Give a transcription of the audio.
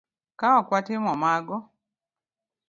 Ka ok watimo mago